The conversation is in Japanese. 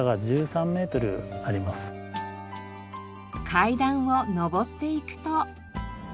階段を上っていくと。